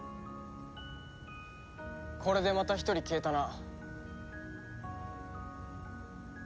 これでまた１人消えたな。